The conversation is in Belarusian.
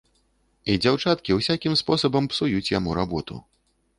І дзяўчаткі ўсякім спосабам псуюць яму работу.